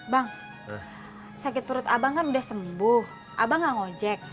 bang sakit perut abang kan udah sembuh abang nggak ngojek